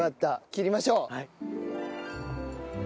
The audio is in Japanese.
切りましょう！